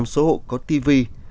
một trăm linh số hộ có tivi